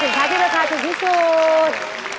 เป็นสินค้าที่ราคาถูกที่สุด